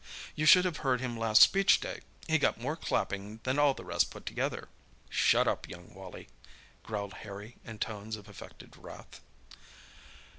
"You should have heard him last Speech Day! He got more clapping than all the rest put together." "Shut up, young Wally!" growled Harry in tones of affected wrath.